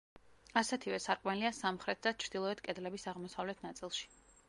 ასეთივე სარკმელია სამხრეთ და ჩრდილოეთ კედლების აღმოსავლეთ ნაწილში.